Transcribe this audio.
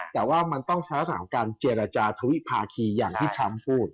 แต่ว่ามันต้องใช้สถานการณ์เจรจาธวิภาคีอย่างที่ท่านพูด